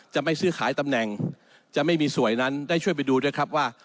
จะไม่ซื้อขายตำแหน่งจะไม่มีสวยนั้นได้ช่วยไปดูด้วยครับว่า